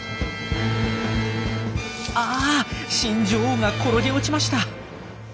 あ新女王が転げ落ちました。